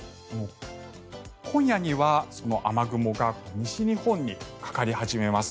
今夜にはその雨雲が西日本にかかり始めます。